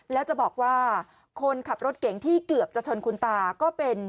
แล้วจะบอกว่าคนขับรถเก่งที่เกือบจะชนคุณตาก็เป็น